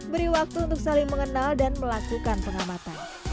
beri waktu untuk saling mengenal dan melakukan pengamatan